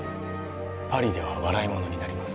パリでは笑い者になります